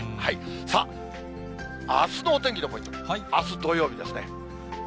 さあ、あすのお天気のポイント、あす土曜日ですね。